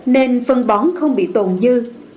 nên phân bóng không bị tồn dư